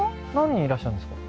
いらっしゃるんですか？